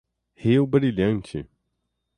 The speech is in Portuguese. Rio Brilhante